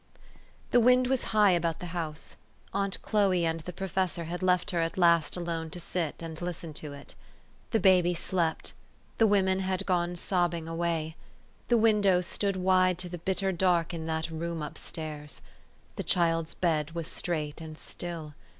THE wind was high about the house. Aunt Chloe and the professor had left her at last alone to sit and listen to it. The baby slept. The women had gone sobbing away. The windows stood wide to the bitter dark in that room up stairs. The child's bed was straight and still.